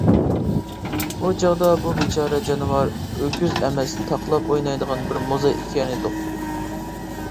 ئۇ چاغدا بۇ بىچارە جانىۋار ئۆكۈز ئەمەس، تاقلاپ ئوينايدىغان بىر موزاي ئىكەنىدۇق.